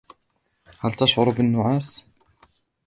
هل تشعر بالنعاس؟